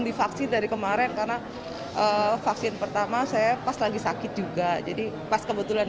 divaksin dari kemarin karena vaksin pertama saya pas lagi sakit juga jadi pas kebetulan